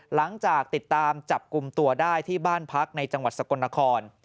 หลังจากติดตามจับกลุ่มตัวได้ที่บ้านพักในจังหวัดสกลนคร